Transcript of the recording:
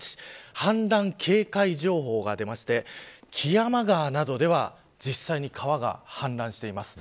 氾濫警戒情報が出まして木山川などでは実際に川が氾濫しています。